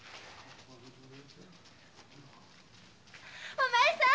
お前さん！